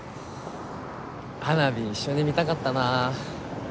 花火一緒に見たかったなあ。